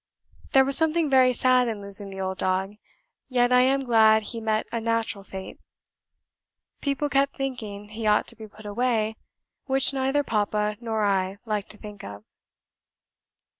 There was something very sad in losing the old dog; yet I am glad he met a natural fate. People kept hinting he ought to be put away, which neither papa nor I liked to think of."